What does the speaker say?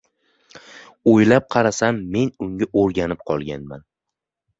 Oʻylab qarasam, men unga oʻrganib qolganman.